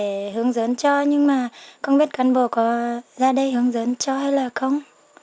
để hướng dẫn cho nhưng mà không biết cán bộ có ra đây hướng dẫn cho hay là không